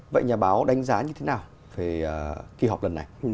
vậy nhà báo đánh giá như thế nào về kỳ họp lần này